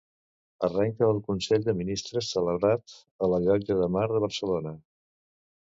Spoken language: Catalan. Arrenca el Consell de Ministres celebrat a la Llotja de Mar de Barcelona.